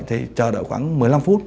thì chờ đợi khoảng một mươi năm phút